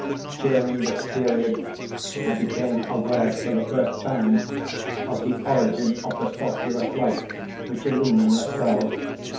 During this period, I became aware, for the first time, of the origin of the sulphurous light which illumined the cell.